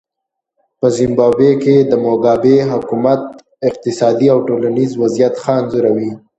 په زیمبابوې کې د موګابي حکومت اقتصادي او ټولنیز وضعیت ښه انځوروي.